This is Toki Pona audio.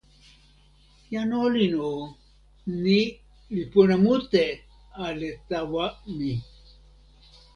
jan olin o, ni li pona mute ale tawa mi.